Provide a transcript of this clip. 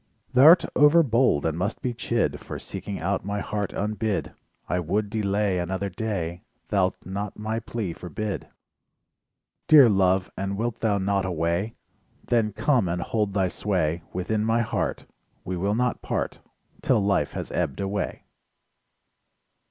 Thou'rt overbold and must be chid For seeking out my heart unbid, I would delay Another day, Thou'lt not my plea forbid? Dear Love, and wilt thou not away? Then come and hold thy .sway Within my heart, We will not part, 'Till life has ebbed away.